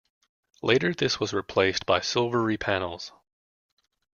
Later this was replaced by silvery panels.